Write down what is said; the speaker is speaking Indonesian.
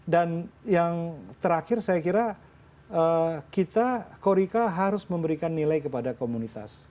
dan yang terakhir saya kira kita korika harus memberikan nilai kepada komunitas